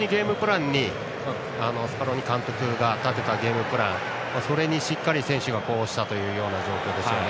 スカローニ監督が立てたゲームプランにそれにしっかり選手が呼応したというような状況ですね。